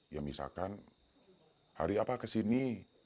ya misalkan hari apa kesini